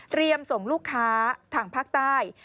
เตรียมส่งลูกค้าทางภาคใต้